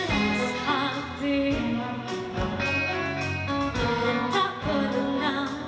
aku dengar lumbung lumbung kapan